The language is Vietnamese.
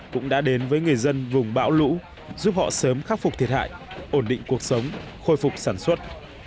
cũng đã đến với người dân vùng bão lũ giúp họ sớm khắc phục thiệt hại ổn định cuộc sống khôi phục sản xuất